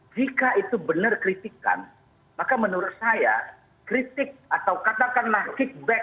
jika itu benar kritikan maka menurut saya kritik atau katakanlah feedback